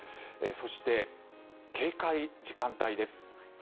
そして、警戒時間帯です。